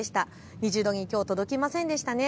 ２０度にきょうは届きませんでしたね。